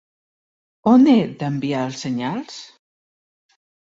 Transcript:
On he d'enviar els senyals?